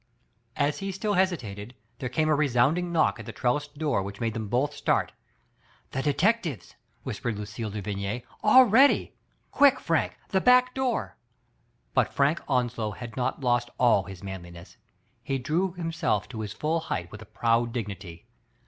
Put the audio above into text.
As he still hesitated, there came a resounding knock at the trellised door which made them both start. "The detectives!" whispered Lucille de Vigny, ''already ; quick, Frank, the back door." But Frank Onslow had not lost all his manliness ; he drew himself to his full height with a proud dignity.